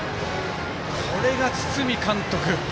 これが堤監督。